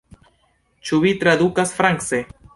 Ĉu vi tradukas france?